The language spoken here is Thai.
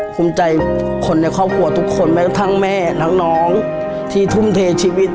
คุ้มใจคนในครอบครัวทุกคนแม่น้องที่มนุษย์ทุกคนที่ถุ่มเทชีวิต